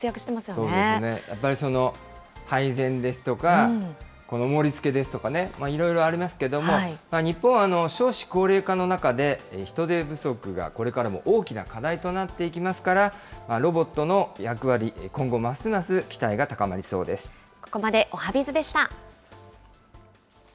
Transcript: そうですね、やっぱり配膳ですとか、盛りつけですとかね、いろいろありますけども、日本は少子高齢化の中で人手不足がこれからも大きな課題となっていきますから、ロボットの役割、今後ますます期待が高まりそうでここまでおはＢｉｚでした。